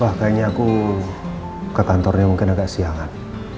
wah kayaknya aku ke kantornya mungkin agak siangan